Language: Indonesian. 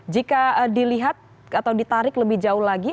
jika dilihat atau ditarik lebih jauh lagi